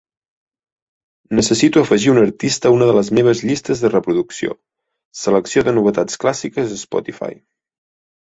Necessito afegir un artista a una de les meves llistes de reproducció, "selecció de novetats clàssiques Spotify".